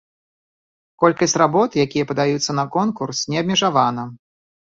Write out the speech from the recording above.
Колькасць работ, якія падаюцца на конкурс, не абмежавана.